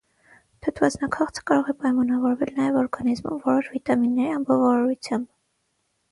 Թթվածնաքաղցը կարող է պայմանավորվել նաև օրգանիզմում որոշ վիտամինների անբավարարությամբ։